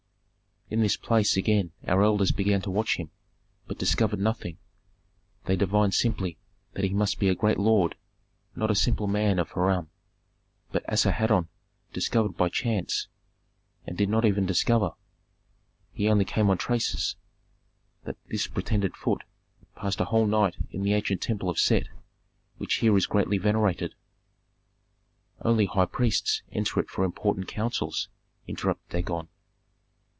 "In this place again our elders began to watch him, but discovered nothing; they divined simply that he must be a great lord, not a simple man of Harran. But Asarhadon discovered by chance, and did not even discover, he only came on traces, that this pretended Phut passed a whole night in the ancient temple of Set, which here is greatly venerated." "Only high priests enter it for important counsels," interrupted Dagon.